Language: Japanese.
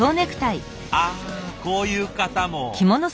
あこういう方も。